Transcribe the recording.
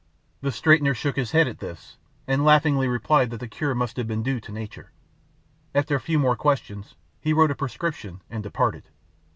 The straightener shook his head at this, and laughingly replied that the cure must have been due to nature. After a few more questions he wrote a prescription and departed.